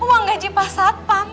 uang gaji pak satpam